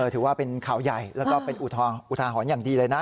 ถือว่าเป็นข่าวใหญ่แล้วก็เป็นอุทาหรณ์อย่างดีเลยนะ